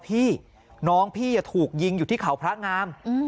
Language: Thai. พี่น้องพี่ถูกยิงอยู่ที่เขาพระงาม